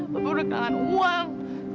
tapi udah kehilangan uang